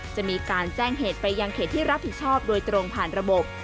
จะมีการแจ้งเหตุไปยังเขตที่รับผิดชอบโดยตรงผ่านระบบ